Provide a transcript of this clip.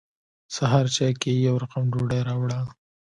سهار چای کې یې يو رقم ډوډۍ راوړه.